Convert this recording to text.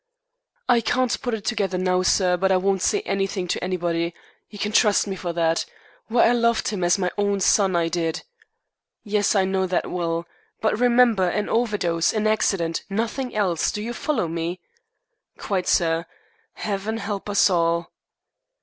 "I can't put it together now, sir, but I won't say anything to anybody. You can trust me for that. Why, I loved him as my own son, I did." "Yes, I know that well. But remember. An over dose. An accident. Nothing else. Do you follow me?" "Quite, sir. Heaven help us all."